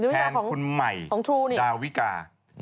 แทนคุณใหม่ดาวิกา